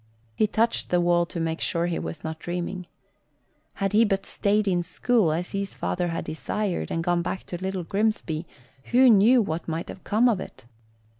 He touched the wall to make sure he was not dreaming. Had he but stayed in school, as his father had desired, and gone back to Little Grimsby, who knew what might have come of it?